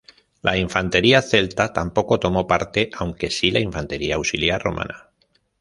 La infantería celta tampoco tomó parte aunque si la infantería auxiliar romana.